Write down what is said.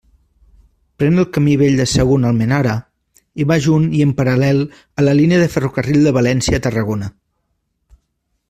Pren el camí Vell de Sagunt-Almenara, i va junt i en paral·lel a la línia de ferrocarril de València a Tarragona.